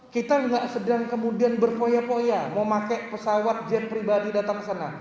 kita nggak sedang kemudian berpoya poya memakai pesawat jet pribadi datang ke sana